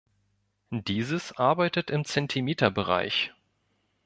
Dieses arbeitet im Zentimeterbereich.